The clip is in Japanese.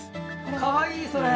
かわいい、それ！